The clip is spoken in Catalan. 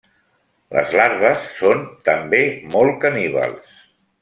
Les larves són també molt caníbals.